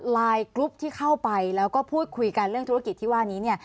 กรุ๊ปที่เข้าไปแล้วก็พูดคุยกันเรื่องธุรกิจที่ว่านี้เนี่ย